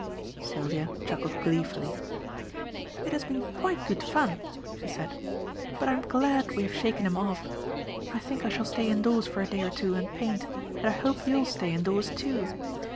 Sylvia chuckled gleefully. "It has been quite good fun," she said, "but I am glad we have shaken him off. I think I shall stay indoors for a day or two and paint, and I hope you'll stay indoors, too.